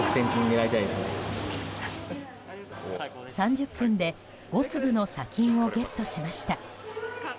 ３０分で５粒の砂金をゲットしました。